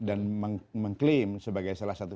dan mengklaim sebagai salah satu